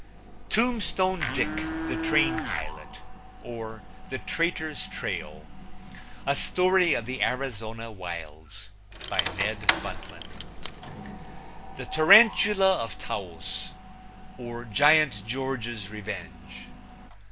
Tombstone Dick, the Train Pilot; or, The Traitor's Trail. A story of the Arizona Wilds. By Ned Buntline. The Tarantula of Taos; or, Giant George's Revenge.